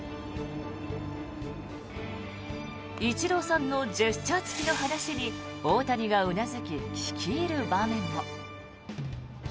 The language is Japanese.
イチローさんのジェスチャー付きの話に大谷がうなずき聞き入る場面も。